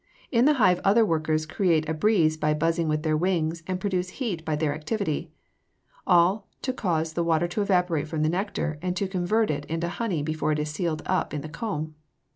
In the hive other workers create a breeze by buzzing with their wings and produce heat by their activity all to cause the water to evaporate from the nectar and to convert it into honey before it is sealed up in the comb.